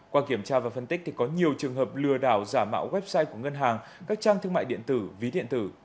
qua kiểm tra và phân tích thì có nhiều trường hợp lừa đảo giả mạo website của ngân hàng các trang thương mại điện tử ví điện tử